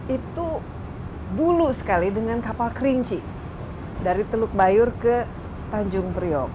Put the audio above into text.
itu bulu sekali dengan kapal kerinci dari teluk bayur ke tanjung priok